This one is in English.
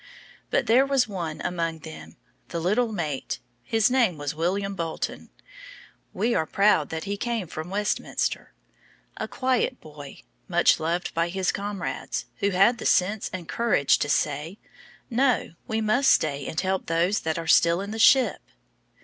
But there was one among them the little mate: his name was William Bolton: we are proud that he came from Westminster: a quiet boy, much loved by his comrades who had the sense and courage to say: "No; we must stay and help those that are still in the ship."